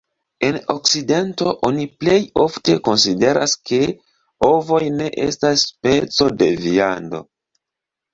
En okcidento oni plej ofte konsideras ke ovoj ne estas speco de viando.